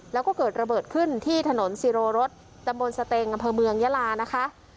แล้วก็เกิดระเบิดขึ้นที่ถนนสิโรรสตำบลสเตงอำเภอเมืองยาลานะคะ